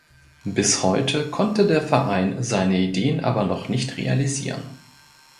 Bis heute konnte der Verein seine Ideen aber noch nicht realisieren.